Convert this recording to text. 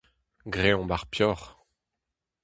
Greomp ar peoc'h.